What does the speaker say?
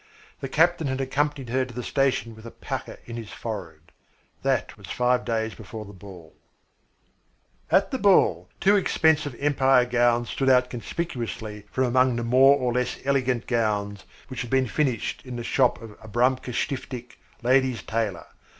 The captain had accompanied her to the station with a pucker in his forehead. That was five days before the ball. At the ball two expensive Empire gowns stood out conspicuously from among the more or less elegant gowns which had been finished in the shop of Abramka Stiftik, Ladies' Tailor.